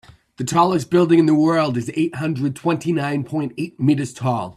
The tallest building in the world is eight hundred twenty nine point eight meters tall.